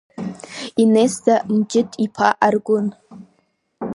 Инесса Мџьыҭ-иԥҳа Аргәын…